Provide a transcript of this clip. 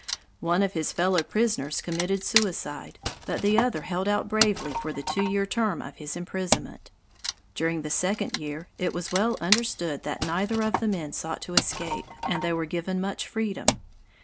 One of his fellow prisoners committed suicide, but the other held out bravely for the two year term of his imprisonment. During the second year, it was well understood that neither of the men sought to escape, and they were given much freedom.